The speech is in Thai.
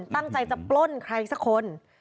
ตั้งใจจะปล้นใครสักคน